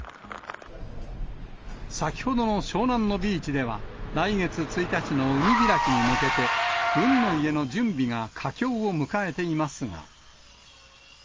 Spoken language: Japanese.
先ほどの湘南のビーチでは、来月１日の海開きに向けて、海の家の準備が佳境を迎えていますが。